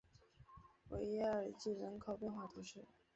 维耶尔济人口变化图示